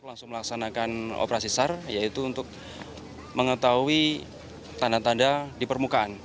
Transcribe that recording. langsung melaksanakan operasi sar yaitu untuk mengetahui tanda tanda di permukaan